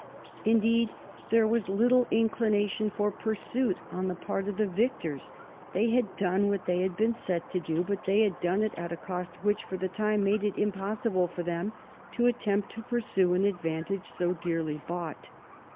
Indeed, there was little inclination for pursuit on the part of the victors. They had done what they had been set to do, but they had done it at a cost which for the time made it impossible for them to attempt to pursue an advantage so dearly bought.